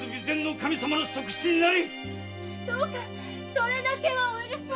それだけはお許しを。